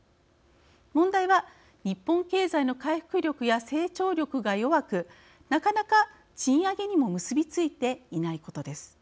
問題は、日本経済の回復力や成長力が弱くなかなか賃上げにも結び付いていないことです。